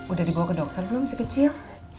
udah dibawa ke dokter belum si kecil